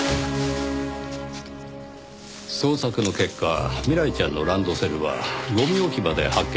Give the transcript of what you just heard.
捜索の結果未来ちゃんのランドセルはゴミ置き場で発見されました。